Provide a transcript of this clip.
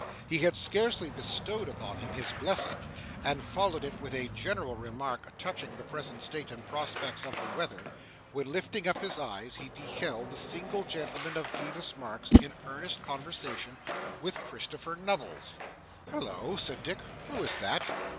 He had scarcely bestowed upon him his blessing, and followed it with a general remark touching the present state and prospects of the weather, when, lifting up his eyes, he beheld the single gentleman of Bevis Marks in earnest conversation with Christopher Nubbles. 'Hallo!' said Dick, 'who is that?